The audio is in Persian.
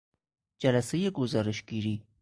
جلسهی گزارشگیری